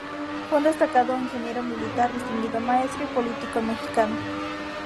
Fue un destacado ingeniero militar, distinguido maestro y político mexicano.